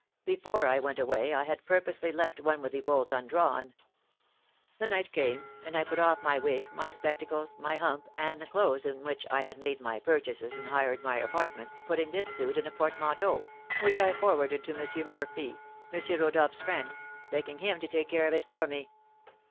Before I went away I had purposely left one with the bolt undrawn. The night came, and I put off my wig, my spectacles, my hump, and the clothes in which I had made my purchases and hired my apartments, putting this suit in a portmanteau, which I forwarded to M. Murphy, M. Rodolph's friend, begging him to take care of it for me.